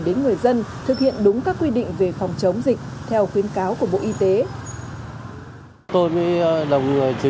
chính người dân thực hiện đúng các quy định về phòng chống dịch